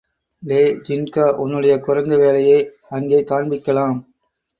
டேய் ஜின்கா, உன்னுடைய குரங்குவேலையை அங்கே காண்பிக்கலாம்.